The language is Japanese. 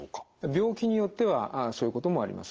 病気によってはそういうこともあります。